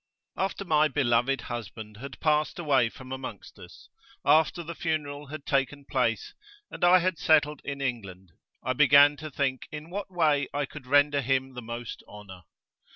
AFTER my beloved husband had passed away from amongst us, after the funeral had taken place, and I had settled in England, I began to think in what way I could render him the most honour.